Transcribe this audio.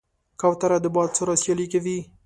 کوتره د باد سره سیالي کوي.